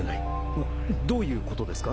石崎）どういうことですか？